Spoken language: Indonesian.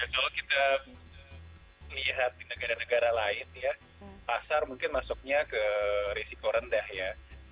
kalau kita lihat di negara negara lain ya pasar mungkin masuknya ke risiko rendah ya